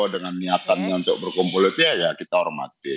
dengan niatannya untuk berkumpul itu ya kita hormati